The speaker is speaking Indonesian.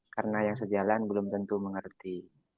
karena yang sejalan belum tentu mengerti